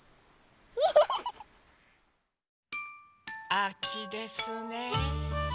あきですね。